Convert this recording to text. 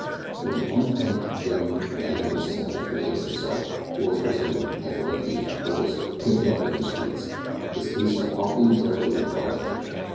When an unkempt, dirty, ragged little savage presents himself, or is presented, at the Refuge, or is "picked up" in the streets, his case is promptly and carefully inquired into.